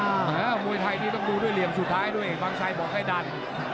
มวยไทยนี่ต้องดูด้วยเหลี่ยมสุดท้ายด้วยบางชัยบอกให้ดัน